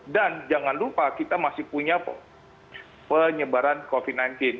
dan jangan lupa kita masih punya penyebaran covid sembilan belas